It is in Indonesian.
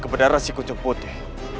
kepada rasi kunjung putih